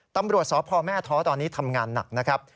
ตำรวจสพแม่ท้อตอนนี้ทำงานหนักนะครับ